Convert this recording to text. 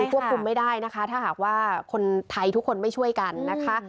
ควบคุมไม่ได้นะคะถ้าหากว่าคนไทยทุกคนไม่ช่วยกันนะคะ